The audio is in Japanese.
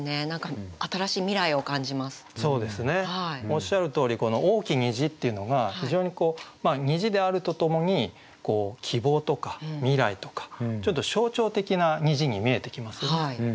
おっしゃるとおりこの「大き虹」っていうのが非常にこう虹であるとともに希望とか未来とかちょっと象徴的な虹に見えてきますよね。